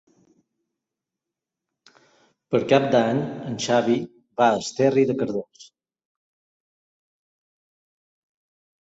Per Cap d'Any en Xavi va a Esterri de Cardós.